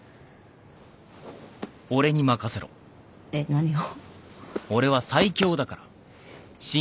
えっ何を？